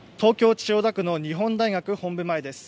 千代田区の日本大学本部前です。